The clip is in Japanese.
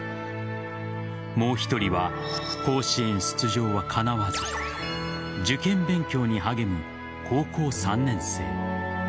もう１人は甲子園出場はかなわず受験勉強に励む高校３年生。